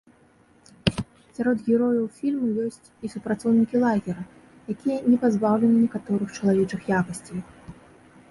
Сярод герояў фільму ёсць і супрацоўнікі лагера, якія не пазбаўлены некаторых чалавечых якасцей.